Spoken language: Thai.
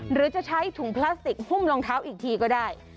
หรือจะใช้ถุงพลาสติกหุ้มรองเท้าอีกทีก็ได้